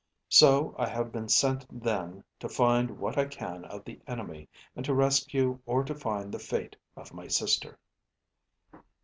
So, I have been sent then, to find what I can of the enemy, and to rescue or to find the fate of my sister."